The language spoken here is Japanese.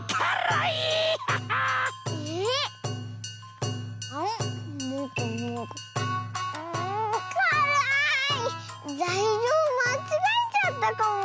ざいりょうまちがえちゃったかも。